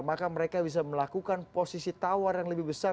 maka mereka bisa melakukan posisi tawar yang lebih besar